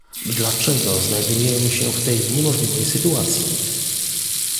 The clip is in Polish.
Dlaczego znajdujemy się w tej niemożliwej sytuacji?